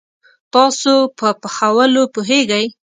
تاسو په پخولوو پوهیږئ؟